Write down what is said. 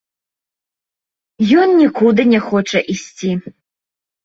Ён нікуды не хоча ісці.